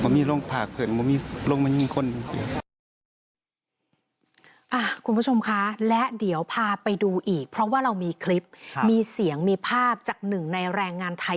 มีภาพมีเสียงจากการอิสราอย่างมีมาอ้างวางนั้น